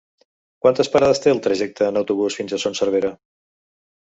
Quantes parades té el trajecte en autobús fins a Son Servera?